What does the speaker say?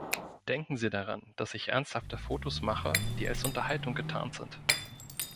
Denken Sie daran, dass ich ernsthafte Fotos mache, die als Unterhaltung getarnt sind.